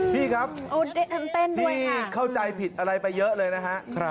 พี่ครับพี่เข้าใจผิดอะไรไปเยอะเลยนะฮะ